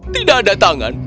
tidak ada tangan